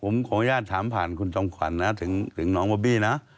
ผมขออนุญาตถามผ่านคุณจอมขวัญนะถึงน้องบอบบี้นะ